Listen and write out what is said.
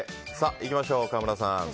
いきましょう、川村さん。